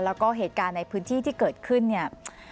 แล้วก็เหตุการณ์ในพื้นที่ที่เกิดขึ้นเนี่ย